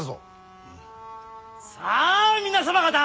さあ皆様方！